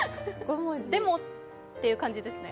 でもっていう感じですね。